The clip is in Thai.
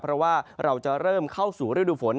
เพราะว่าเราจะเริ่มเข้าสู่ฤดูฝน